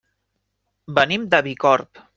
Venim de Bicorb.